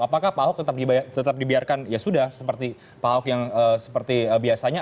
apakah pak ahok tetap dibiarkan ya sudah seperti pak ahok yang seperti biasanya